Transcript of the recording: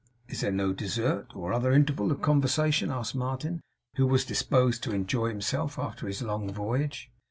'Is there no dessert, or other interval of conversation?' asked Martin, who was disposed to enjoy himself after his long voyage.